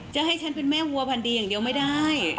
จะให้ฉันเป็นแม่วัวพันดีอย่างเดียวไม่ได้